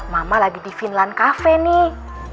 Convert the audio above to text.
mama lagi di finland cafe nih